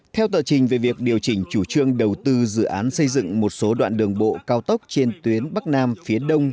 theo tờ trình về việc điều chỉnh chủ trương đầu tư dự án xây dựng một số đoạn đường bộ cao tốc trên tuyến bắc nam phía đông